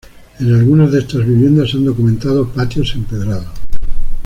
En algunas de estas viviendas se han documentado patios empedrados.